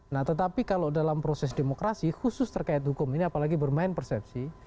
nah tetapi kalau dalam proses demokrasi khusus terkait hukum ini apalagi bermain persepsi